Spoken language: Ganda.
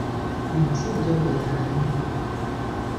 Omusajja oyo y'ani?